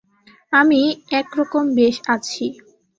আমি এক রকম বেশ আছি।